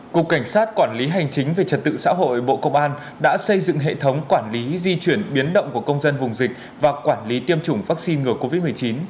cục cảnh sát quản lý hành chính về trật tự xã hội bộ công an đã xây dựng hệ thống quản lý di chuyển biến động của công dân vùng dịch và quản lý tiêm chủng vaccine ngừa covid một mươi chín